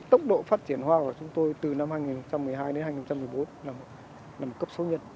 tốc độ phát triển hoa của chúng tôi từ năm hai nghìn một mươi hai đến hai nghìn một mươi bốn là một cấp số nhất